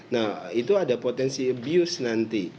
nah itu ada potensi abuse nanti